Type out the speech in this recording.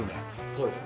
そうですね。